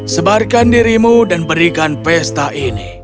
sebarkan dirimu dan berikan pesta ini